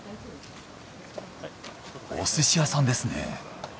お寿司屋さんですね。